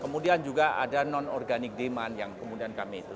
kemudian juga ada non organic demand yang kemudian kami itu